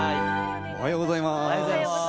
おはようございます。